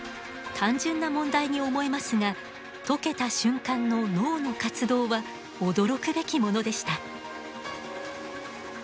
単純な問題に思えますが解けた瞬間の脳の活動は驚くべきものでした。